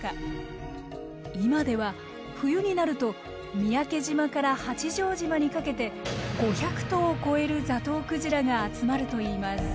今では冬になると三宅島から八丈島にかけて５００頭を超えるザトウクジラが集まるといいます。